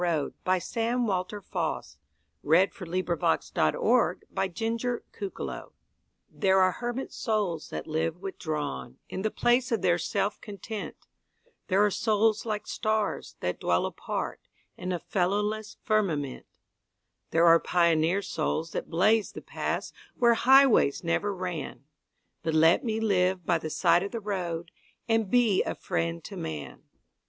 M N . O P . Q R . S T . U V . W X . Y Z The House by the Side of the Road THERE are hermit souls that live withdrawn In the place of their self content; There are souls like stars, that dwell apart, In a fellowless firmament; There are pioneer souls that blaze the paths Where highways never ran But let me live by the side of the road And be a friend to man.